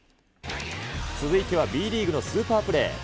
続いてはＢリーグのスーパープレー。